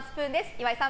岩井さん